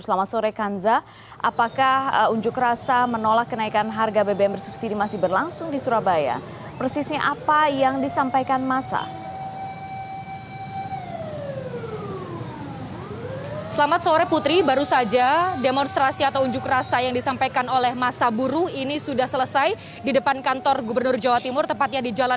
selamat sore kanza apakah unjuk rasa menolak kenaikan harga bbm bersubsidi masih berlangsung di surabaya